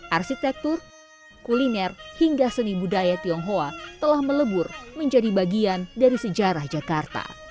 arsitektur kuliner hingga seni budaya tionghoa telah melebur menjadi bagian dari sejarah jakarta